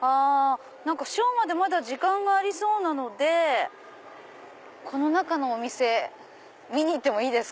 あっショーまでまだ時間がありそうなのでこの中のお店見ていいですか？